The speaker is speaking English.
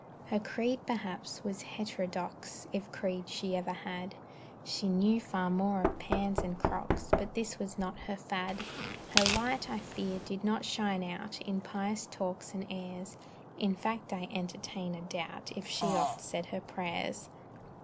Her creed, perhaps, was heterodox, If creed she ever had. She knew far more of pans and crocks, But this was not her fad; Her light, I fear, did not shine out In pious talk and airs, In fact I entertain a doubt If she oft said her prayers.